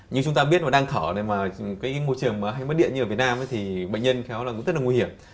như chúng ta biết mà đang thỏ này mà cái môi trường hay mất điện như ở việt nam thì bệnh nhân khéo là cũng rất là nguy hiểm